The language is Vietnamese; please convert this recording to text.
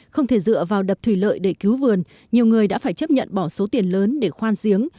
không thể dựa vào đập thủy lợi để cứu vườn nhiều người đã phải chấp nhận bỏ số tiền lớn để khoan giếng